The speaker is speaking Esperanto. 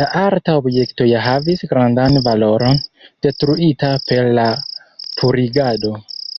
La arta objekto ja havis grandan valoron, detruita per la purigado.